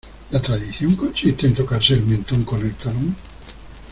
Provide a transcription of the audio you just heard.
¿La tradición consiste en tocarse el mentón con el talón?